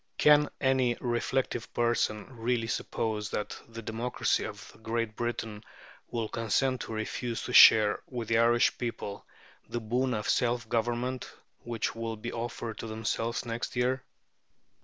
Can any reflective person really suppose that the democracy of Great Britain will consent to refuse to share with the Irish people the boon of self government which will be offered to themselves next year?